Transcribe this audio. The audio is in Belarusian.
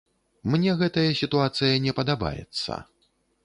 Мне гэтая сітуацыя не падабаецца.